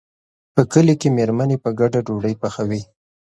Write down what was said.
په کلي کې مېرمنې په ګډه ډوډۍ پخوي.